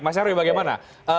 mas haru ya bagaimana